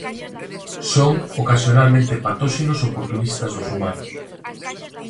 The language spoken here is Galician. Son ocasionalmente patóxenos oportunistas dos humanos.